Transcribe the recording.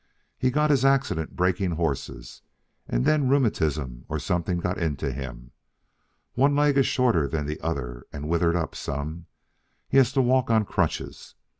He got his accident breaking horses, and then rheumatism or something got into him. One leg is shorter than the other and withered up some. He has to walk on crutches.